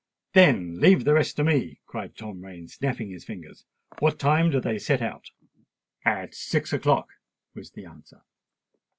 "Then leave the rest to me," cried Tom Rain, snapping his fingers. "What time do they set out?" "At six o'clock," was the answer.